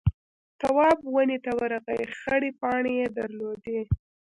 تواب ونې ته ورغئ خړې پاڼې يې درلودې.